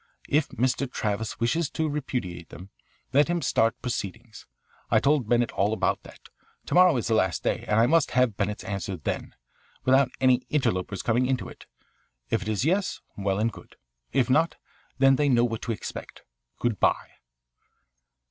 If Mr. Travis wishes to repudiate them, let him start proceedings. I told Bennett all about that. To morrow is the last day, and I must have Bennett's answer then, without any interlopers coming into it. If it is yes, well and good; if not, then they know what to expect. Good bye."